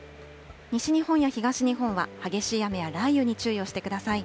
西日本や東日本は激しい雨や雷雨に注意をしてください。